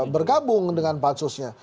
bergabung dengan pansusnya